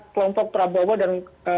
kelompok prabowo dan